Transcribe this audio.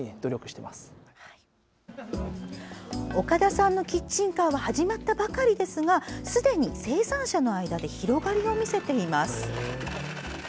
岡田さんのキッチンカーは始まったばかりなんですがすでに生産者の間で広がりを見せています。